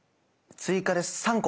追加で３個。